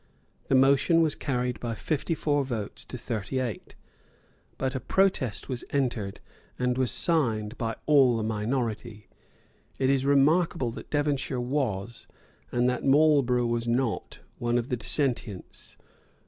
The motion was carried by fifty four votes to thirty eight. But a protest was entered, and was signed by all the minority. It is remarkable that Devonshire was, and that Marlborough was not, one of the Dissentients.